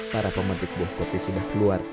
para pemetik buah kopi sudah keluar